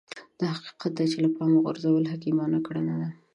دا حقيقت دی چې له پامه غورځول حکيمانه کړنه ده.